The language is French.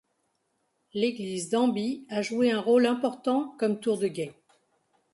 L'église d'Amby a joué un rôle important comme tour de guet.